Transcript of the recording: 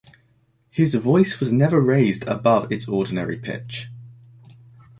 His voice was never raised above its ordinary pitch.